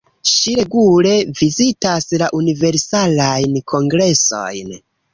Ŝi regule vizitas la universalajn kongresojn.